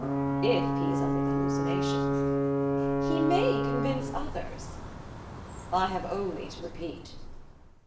"If he is under the hallucination!" "He may convince others." "I have only to repeat.